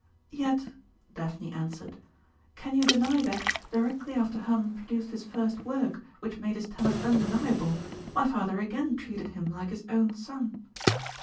"Yet," Daphne answered, "can you deny that, directly after Hermon produced his first work which made his talent undeniable, my father again treated him like his own son?"